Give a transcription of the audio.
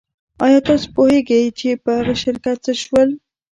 ایا تاسو پوهیږئ چې په هغه شرکت څه شول